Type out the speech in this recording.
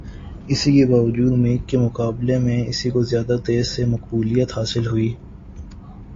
اس کے باوجود میک کے مقابلے میں اسی کو زیادہ تیزی سے مقبولیت حاصل ہوئی